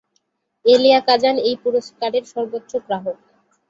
এলিয়া Kazan এই পুরস্কারের সর্বোচ্চ গ্রাহক।